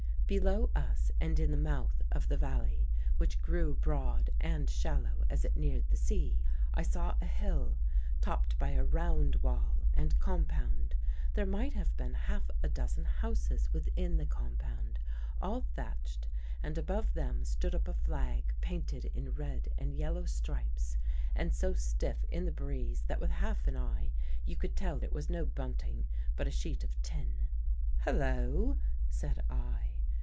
"Below us, and in the mouth of the valley, which grew broad and shallow as it neared the sea, I saw a hill topped by a round wall and compound. There might have been half a dozen houses within the compound, all thatched, and above them stood up a flag painted in red and yellow stripes, and so stiff in the breeze that with half an eye you could tell it was no bunting but a sheet of tin. "Hullo!' said I.